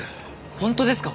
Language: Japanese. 本当ですか？